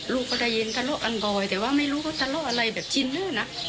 ลูกก็ได้ยินทะเลาะกันบ่อยแต่ว่าไม่รู้เขาทะเลาะอะไรแบบชินลื้อนะ